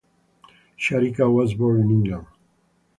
Skarica was born in England.